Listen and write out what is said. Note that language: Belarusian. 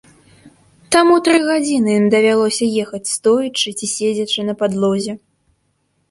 Таму тры гадзіны ім давялося ехаць стоячы ці седзячы на падлозе.